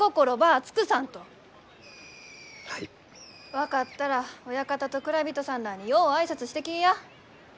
分かったら親方と蔵人さんらあによう挨拶してきいや。